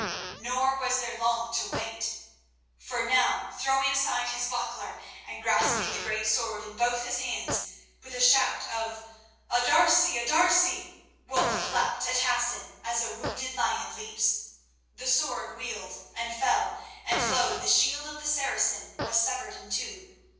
Nor was there long to wait. For now, throwing aside his buckler and grasping the great sword in both his hands, with a shout of "A D'Arcy! A D'Arcy!" Wulf leapt at Hassan as a wounded lion leaps. The sword wheeled and fell, and lo! the shield of the Saracen was severed in two.